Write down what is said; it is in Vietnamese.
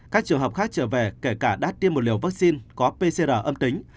các trường hợp khác trở về kể cả đã tiêm một liều vaccine có pcr âm tính